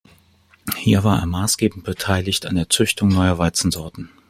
Hier war er maßgebend beteiligt an der Züchtung neuer Weizensorten.